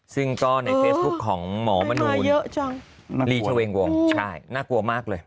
ซึ่งก็ในเฟซบุ๊คของหมอมนูนรีชเวงวงใช่น่ากลัวมากเลย